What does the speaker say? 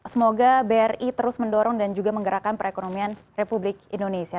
semoga bri terus mendorong dan juga menggerakkan perekonomian republik indonesia